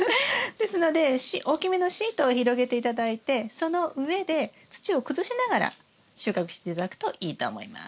ですので大きめのシートを広げて頂いてその上で土を崩しながら収穫して頂くといいと思います。